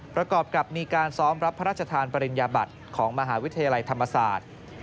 ประกอบกับมีการซ้อมรับพระราชทานปริญญาบัติของมหาวิทยาลัยธรรมศาสตร์